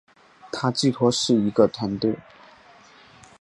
它寄托是一个团队